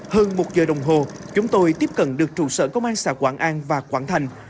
hơn một giờ đồng hồ chúng tôi tiếp cận được trụ sở công an xã quảng an